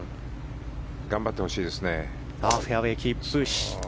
頑張ってほしいですね。